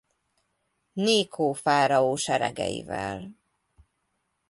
Nékó fáraó seregeivel.